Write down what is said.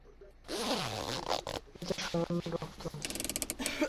এ তো সামান্য রক্ত।